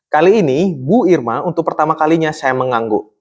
kali ini bu irma untuk pertama kalinya saya mengangguk